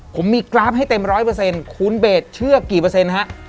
ผมมีกราฟให้เต็ม๑๐๐คุณเบศเชื่อกี่เปอร์เซ็นต์ครับ